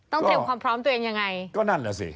ต้องเตรียมความพร้อมตัวเองยังไง